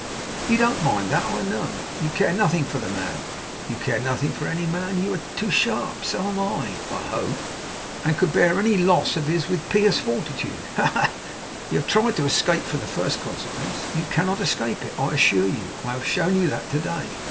You don't mind that, I know. You care nothing for the man (you care nothing for any man; you are too sharp; so am I, I hope); and could bear any loss of his with pious fortitude. Ha, ha, ha! You have tried to escape from the first consequence. You cannot escape it, I assure you. I have shown you that to day.